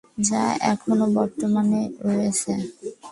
যা এখনও বর্তমান রয়েছে।